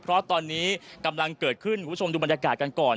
เพราะตอนนี้กำลังเกิดขึ้นคุณผู้ชมดูบรรยากาศกันก่อน